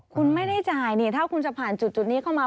คุณไม่ได้จ่ายนี่ถ้าคุณจะผ่านจุดนี้เข้ามา